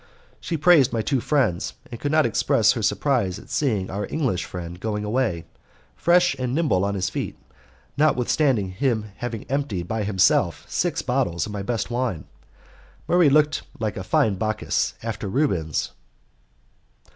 She praised my two friends, and could not express her surprise at seeing our English friend going away, fresh and nimble on his feet, notwithstanding his having emptied by himself six bottles of my best wine. Murray looked like a fine Bacchus after Rubens.